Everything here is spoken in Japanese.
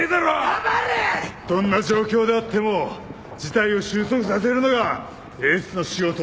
どんな状況であっても事態を収束させるのがエースの仕事。